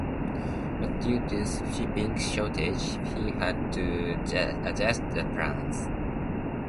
But due to shipping shortages, he had to adjust the plans.